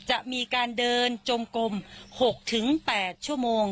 จะมีการเดินจงกลม๖๘ชั่วโมง